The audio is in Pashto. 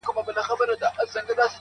هرڅه بدل دي- د زمان رنګونه واوښتله-